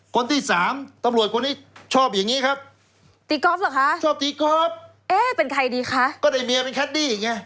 คนที่สามตำรวจคนนี้ชอบอย่างงี้ครับตีกอล์ฟเหรอคะชอบตีก๊อฟเอ๊ะเป็นใครดีคะก็ได้เมียเป็นแคดดี้ไง